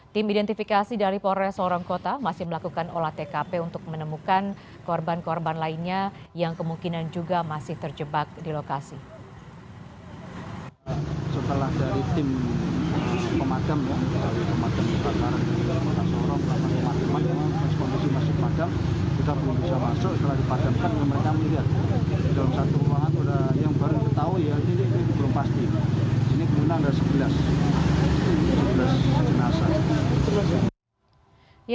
tim identifikasi dari polres sorong kota masih melakukan olah tkp untuk menemukan korban korban lainnya yang kemungkinan juga masih terjebak di lokasi